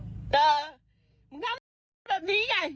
แต่มึงทำแบบนี้ไง